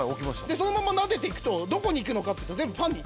そのままなでていくとどこにいくのかっていうと全部パンに。